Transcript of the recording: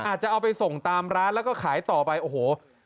อาจจะเอาไปส่งตามร้านแล้วก็ขายต่อไปโอ้โห